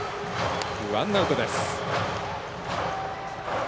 ワンアウトです。